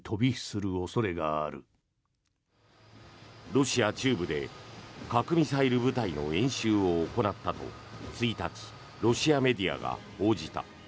ロシア中部で核ミサイル部隊の演習を行ったと１日、ロシアメディアが報じた。